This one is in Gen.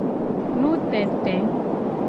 Nutete.